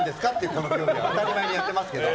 この競技当たり前にやってますけど。